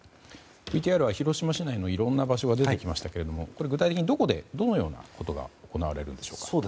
ＶＴＲは広島市内のいろんな場所が出てきましたがこれは具体的にどこでどのようなことが行われるんでしょうか。